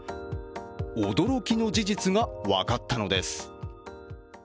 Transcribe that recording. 驚きの事実が分かったのです。